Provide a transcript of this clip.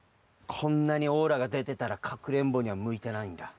こんなにオーラがでてたらかくれんぼにはむいてないんだ。